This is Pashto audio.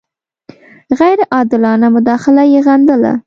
غیر عادلانه مداخله یې غندله.